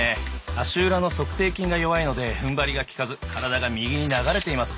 足裏の足底筋が弱いのでふんばりが利かず体が右に流れています。